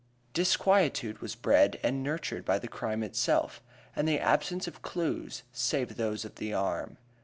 Disquietude was bred and nurtured by the crime itself, and the absence of clues save those of the arm.